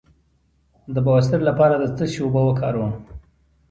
د بواسیر لپاره د څه شي اوبه وکاروم؟